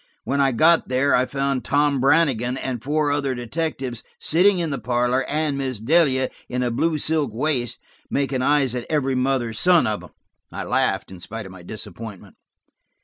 When I got there I found Tom Brannigan and four other detectives sitting in the parlor, and Miss Delia, in a blue silk waist, making eyes at every mother's son of them." I laughed in spite of my disappointment.